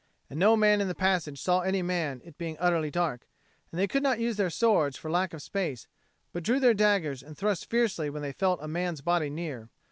And no man in the passage saw any man, it being utterly dark; and they could not use their swords for lack of space, but drew their daggers and thrust fiercely when they felt a man's body near.